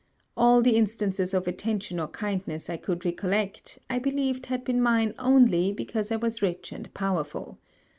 All the instances of attention or kindness I could recollect I believed had been mine only because I was rich and powerful.